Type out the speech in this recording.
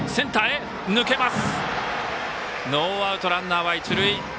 ノーアウト、ランナーは一塁。